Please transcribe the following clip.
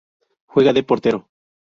Juega de portero.